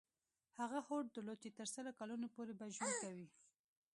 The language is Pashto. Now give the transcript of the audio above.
هغه هوډ درلود چې تر سلو کلونو پورې به ژوند کوي.